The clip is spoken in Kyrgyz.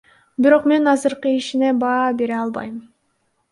Бирок мен азыркы ишине баа бере албайм.